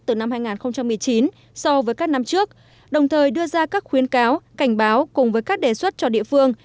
từ năm hai nghìn một mươi chín so với các năm trước đồng thời đưa ra các khuyến cáo cảnh báo cùng với các đề xuất cho địa phương